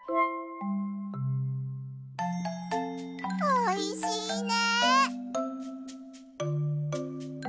おいしいね。